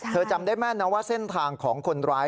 จำได้แม่นนะว่าเส้นทางของคนร้าย